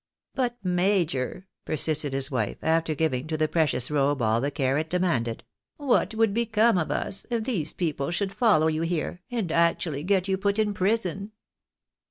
" But, major," persisted his wife, after giving to the precious i robe aU the care it demanded, " what would become of us if these people should follow you here, and actually get you put in prison